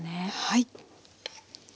はい。